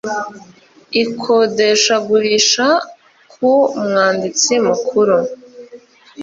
ikodeshagurisha ku mwanditsi mukuru